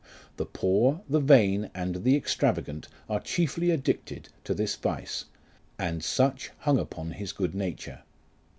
The poor, the vain, and the extravagant are chiefly addicted to this vice : and such hung upon his good nature.